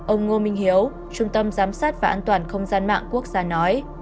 ông ngô minh hiếu trung tâm giám sát và an toàn không gian mạng quốc gia nói